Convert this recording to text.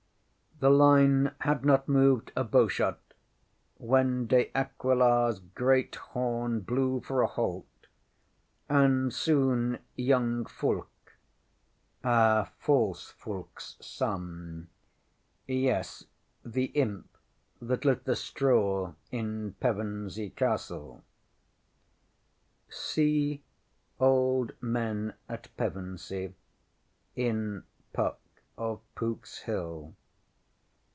ŌĆśThe line had not moved a bowshot when De AquilaŌĆÖs great horn blew for a halt, and soon young Fulke our false FulkeŌĆÖs son yes, the imp that lit the straw in Pevensey Castle [See ŌĆśOld Men at PevenseyŌĆÖ in PUCK OF POOKŌĆÖS HILL.